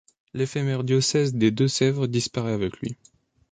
L'éphémère diocèse des Deux-Sèvres disparaît avec lui.